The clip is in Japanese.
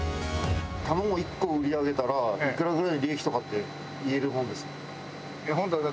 卵１個売り上げたらいくらぐらいの利益とかって言えるものですか？